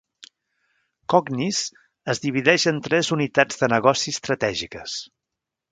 Cognis es divideix en tres unitats de negoci estratègiques.